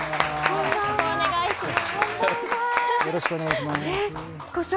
よろしくお願いします。